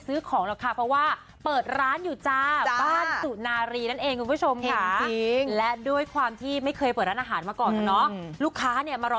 ซื้อของหรอกครับว่าเปิดร้านอยู่จ้าน้ารีและด้วยความที่ไม่เคยเปิดร้านอาหารมาก่อนนะลูกค้าเนี่ยมารอ